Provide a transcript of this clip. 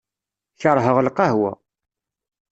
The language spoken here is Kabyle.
Keṛheɣ lqahwa.